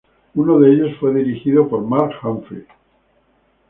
Uno de ellos fue dirigido por Mark Humphrey.